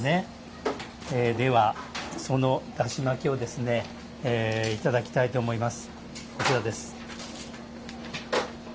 では、そのだし巻きをいただきたいと思います。